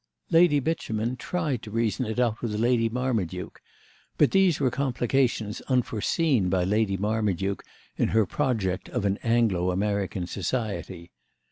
Lady Beauchemin tried to reason it out with Lady Marmaduke; but these were complications unforeseen by Lady Marmaduke in her project of an Anglo American society.